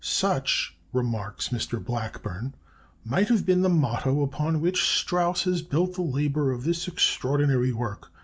Such," remarks Mr. Blackburn, "might have been the motto upon which Strauss has built the labor of this extraordinary work.